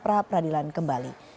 dan peradilan kembali